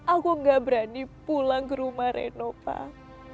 aku gak berani pulang ke rumah reno pak